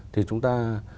thì chúng ta